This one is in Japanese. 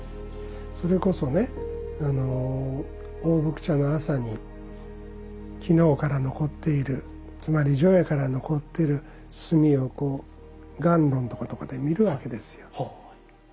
それこそね大福茶の朝に昨日から残っているつまり除夜から残ってる炭をこう暖炉のとことかで見るわけですよ。